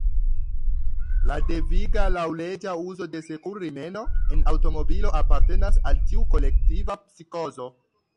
La deviga, laŭleĝa uzo de sekur-rimeno en aŭtomobilo apartenas al tiu kolektiva psikozo.